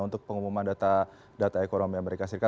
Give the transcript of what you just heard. untuk pengumuman data ekonomi amerika serikat